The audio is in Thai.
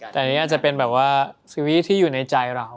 แต่นี่อาจจะเป็นซีรีส์ที่อยู่ในใจเรา